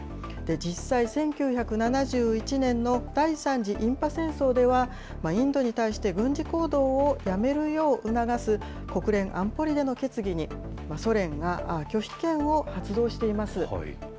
実際、１９７１年の第３次印パ戦争では、インドに対して軍事行動をやめるよう促す国連安保理での決議に、ソ連が拒否権を発動しています。